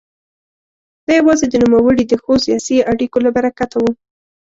دا یوازې د نوموړي د ښو سیاسي اړیکو له برکته وه.